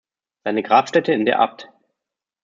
Seine Grabstätte in der Abt.